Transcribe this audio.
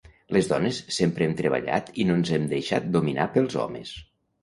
Les dones sempre hem treballat i no ens hem deixat dominar pels homes.